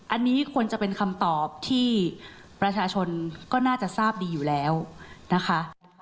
อันนี้ควรจะเป็นคำตอบที่ประชาชนก็น่าจะทราบดีอยู่แล้วนะคะ